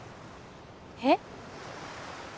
えっ？